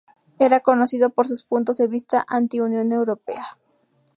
Era conocido por sus puntos de vista anti-Unión Europea.